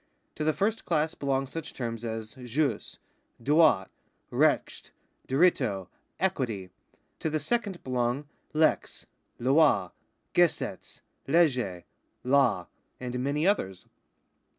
To the first class belong such terms as jus, droit, recht, diritto, equity. To the second belong lex, hi, gesetz, legge, Imc, and many others.